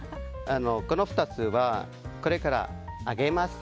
この２つはこれから揚げます。